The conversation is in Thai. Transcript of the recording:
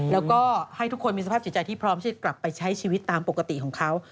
แล้วก็ให้ทุกคนมีสภาพจิตใจที่พร้อมที่จะกลับไปใช้ชีวิตตามปกติของเขา